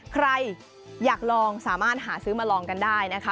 ใครอยากลองสามารถหาซื้อมาลองกันได้นะคะ